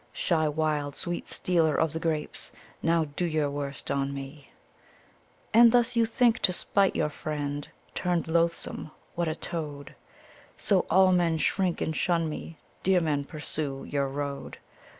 Shy wild sweet stealer of the grapes ! Now do your worst on me ! And thus you think to spite your friend — turned loath some ? What, a toad ? So, all men shrink and shun mel Dear men, pursue your road